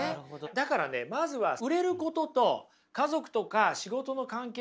だからねまずは売れることと家族とか仕事の関係とか社会の関係